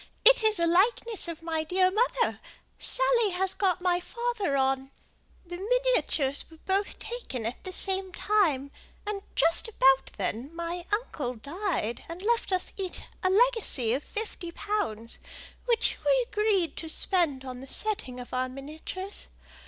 "It is a likeness of my dear mother; Dorothy has got my father on. The miniatures were both taken at the same time; and just about then my uncle died and left us each a legacy of fifty pounds, which we agreed to spend on the setting of our miniatures.